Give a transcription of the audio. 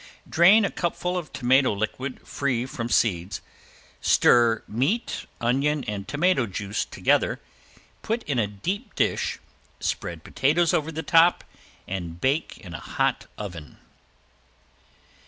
Drain a cupful of tomato liquid free from seeds, stir meat, onion and tomato juice together, put in a deep dish, spread potatoes over the top and bake in a hot oven.